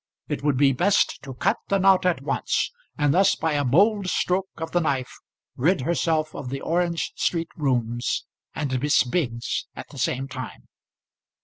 It would be best to cut the knot at once, and thus by a bold stroke of the knife rid herself of the Orange Street rooms and Miss Biggs at the same time.